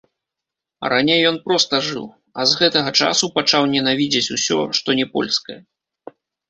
Раней ён проста жыў, а з гэтага часу пачаў ненавідзець усё, што не польскае.